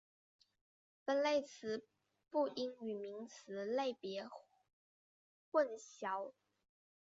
分类词不应与名词类别混淆。